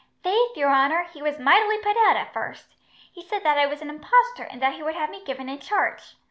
"Faith, your honour, he was mightily put out, at first. He said that I was an impostor, and that he would have me given in charge.